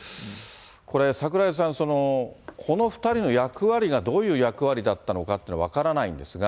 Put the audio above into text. これ櫻井さん、この２人の役割がどういう役割だったのかというのは分からないんですが。